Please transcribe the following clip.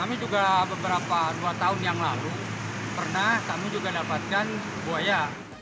kami juga beberapa dua tahun yang lalu pernah kami juga dapatkan buaya